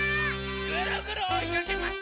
ぐるぐるおいかけます！